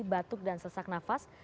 batuk dan sesak nafas